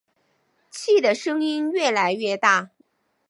气的声音越来越大